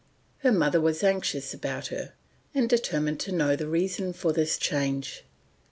Her mother was anxious about her, and determined to know the reason for this change.